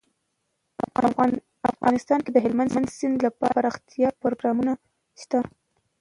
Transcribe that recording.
افغانستان کې د هلمند سیند لپاره دپرمختیا پروګرامونه شته.